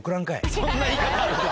そんな言い方あるか！